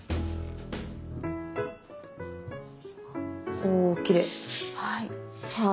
おきれい。